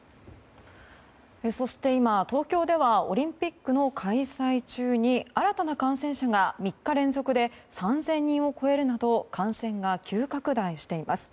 そして今、東京ではオリンピックの開催中に新たな感染者が３日連続で３０００人を超えるなど感染が急拡大しています。